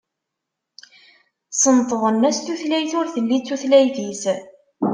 Sentḍen-as tutlayt ur telli d tutlayt-is.